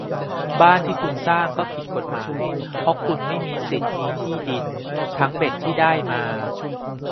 บ้านที่คุณสร้างก็ผิดกฎหมาย เพราะคุณไม่มีสิทธิ์มีที่ดิน ทั้งเบ็ดที่ได้มา